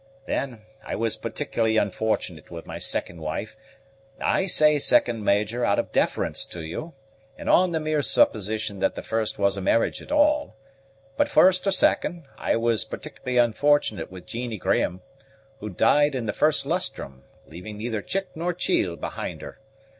Then, I was particularly unfortunate with my second wife; I say second, Major, out of deference to you, and on the mere supposition that the first was a marriage at all; but first or second, I was particularly unfortunate with Jeannie Graham, who died in the first lustrum, leaving neither chick nor chiel behind her.